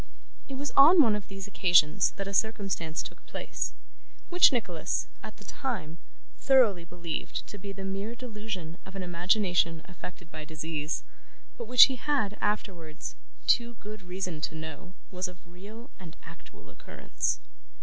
It was on one of these occasions that a circumstance took place, which Nicholas, at the time, thoroughly believed to be the mere delusion of an imagination affected by disease; but which he had, afterwards, too good reason to know was of real and actual occurrence.